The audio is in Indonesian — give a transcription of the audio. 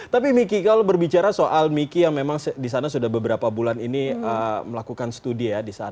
tapi miki kalau berbicara soal miki yang memang di sana sudah beberapa bulan ini melakukan studi ya